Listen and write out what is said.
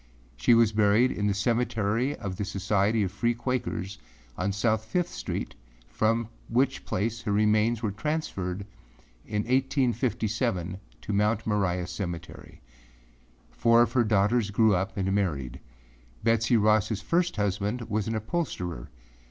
She was buried in the Cemetery of the Society of Free Quakers on South Fifth Street, from which place her remains were transferred in 1857 to Mount Moriah Cemetery. Four of her daughters grew up and married. Betsey Rossâ first husband was an upholsterer.